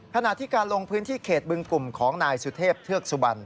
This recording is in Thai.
ขณะที่การลงพื้นที่เขตบึงกลุ่มของนายสุเทพเทือกสุบัน